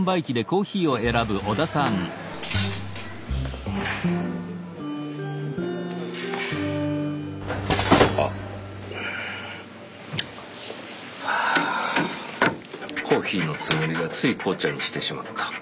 コーヒーのつもりがつい紅茶にしてしまった。